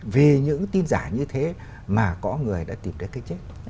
vì những tin giả như thế mà có người đã tìm đến cái chết